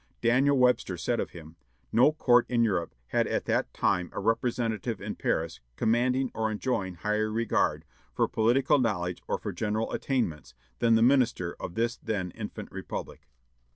Daniel Webster said of him: "No court in Europe had at that time a representative in Paris commanding or enjoying higher regard, for political knowledge or for general attainments, than the minister of this then infant republic."